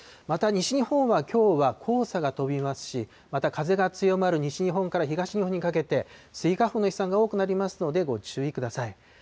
また、西日本はきょうは黄砂が飛びますし、また風が強まる西日本から東日本にかけて、スギ花粉の飛散が多くなりますので、ご注意ください。